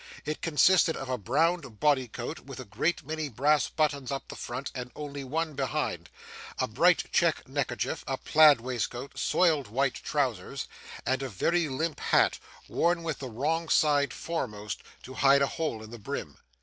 It consisted of a brown body coat with a great many brass buttons up the front and only one behind, a bright check neckerchief, a plaid waistcoat, soiled white trousers, and a very limp hat, worn with the wrong side foremost, to hide a hole in the brim.